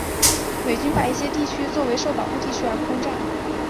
美军把一些地区列为受保护地区而不轰炸。